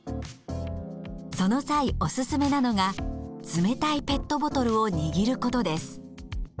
その際おすすめなのが冷たいペットボトルを握ることです。